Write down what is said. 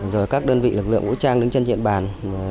rồi các đơn vị lực lượng vũ trang đứng trên diện bàn